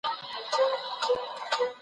موږ باید د ښوونې او روزنې ملاتړ وکړو.